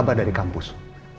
selama ini lo mencintai dia